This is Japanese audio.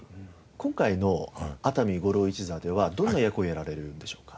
今回の熱海五郎一座ではどんな役をやられるんでしょうか？